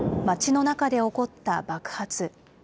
街の中で起こった爆発。